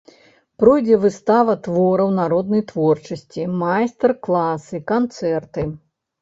Пройдзе выстава твораў народнай творчасці, майстар-класы, канцэрты.